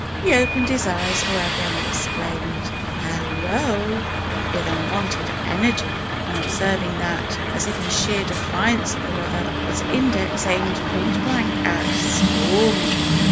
He opened his eyes, however, and exclaimed "Hallo!" with unwonted energy, on observing that, as if in sheer defiance of the weather, of truth, and of public opinion, its index aimed point blank at "stormy!"